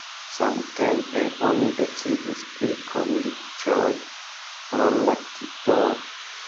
Samtempe oni decidis pri kondiĉoj por la titolo.